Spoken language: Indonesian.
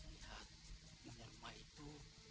lihat dunia rumah itu